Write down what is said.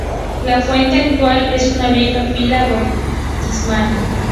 La fuente actual es una vieja pila bautismal.